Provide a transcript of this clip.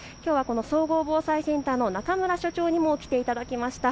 総合防災センターの中村所長にも来ていただきました。